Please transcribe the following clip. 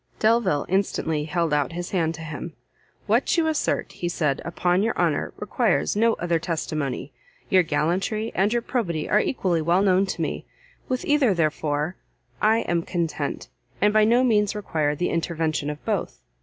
Delvile instantly held out his hand to him; "What you assert," he said, "upon your honour, requires no other testimony. Your gallantry and your probity are equally well known to me; with either, therefore, I am content, and by no means require the intervention of both."